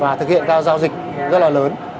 và thực hiện ra giao dịch rất là lớn